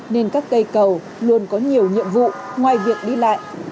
nên các cây cầu luôn có nhiều nhiệm vụ ngoài việc đi lại